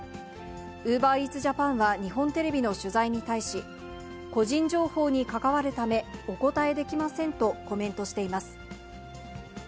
ウーバーイーツジャパンは日本テレビの取材に対し、個人情報に関わるため、お答えできませんとコメントしています。